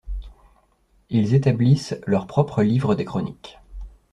Ils établissent leurs propres Livres des Chroniques.